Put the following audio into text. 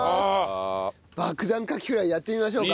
爆弾カキフライやってみましょうか。